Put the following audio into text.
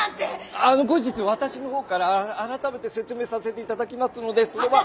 あの後日私の方からあらためて説明させていただきますのでそれは。